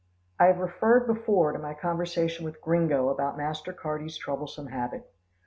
I have referred before to my conversation with Gringo about Master Carty's troublesome habit.